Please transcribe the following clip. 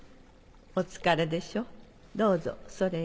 お疲れでしょどうぞそれへ。